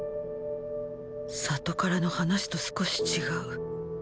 里からの話と少し違う。